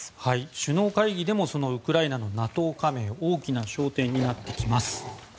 首脳会議でもウクライナのＮＡＴＯ加盟大きな焦点になってきます。